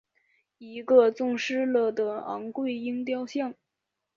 一个失纵了的昴贵鹰雕像。